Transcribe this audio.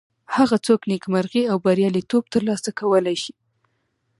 هغه څوک نیکمرغي او بریالیتوب تر لاسه کولی شي.